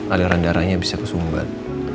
aliran darahnya bisa kesumbat